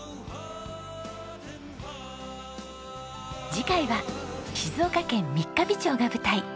次回は静岡県三ヶ日町が舞台。